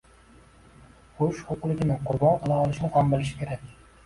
xushxulqligini qurbon qila olishni ham bilishi kerak.